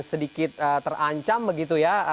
sedikit terancam begitu ya